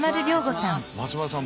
松丸さん